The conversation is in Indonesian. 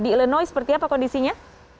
di illenoi seperti apa kondisinya